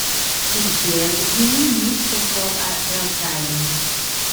Ich werde Ihnen nicht das Wort erteilen.